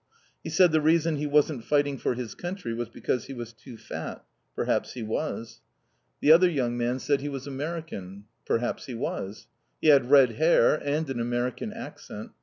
He said the reason he wasn't fighting for his country was because he was too fat. Perhaps he was. The other young man said he was American. Perhaps he was. He had red hair and an American accent.